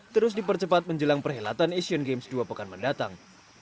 terus dipercepat menjelang perhelatan asian games dua pekan mendatang